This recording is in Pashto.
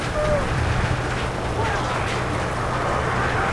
• چي مي بایللی و ـ وه هغه کس ته ودرېدم ـ